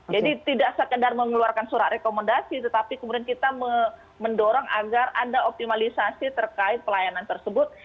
jadi tidak sekedar mengeluarkan surat rekomendasi tetapi kemudian kita mendorong agar ada optimalisasi terkait pelayanan tersebut